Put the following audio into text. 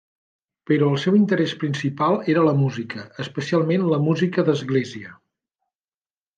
Però el seu interès principal era la música, especialment la música d'església.